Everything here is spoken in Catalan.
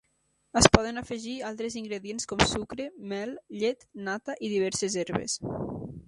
Es poden afegir altres ingredients com sucre, mel, llet, nata i diverses herbes.